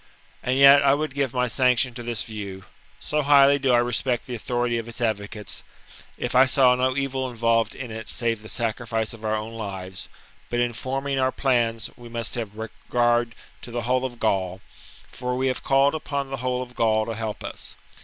And yet I would give my sanction to this view — so highly do I respect" the authority of its advocates — if I saw no evil involved in it save the sacrifice of our own lives ; but in forming our plans we must have regard to the whole of Gaul, for we have called upon the whole of Gaul to help us.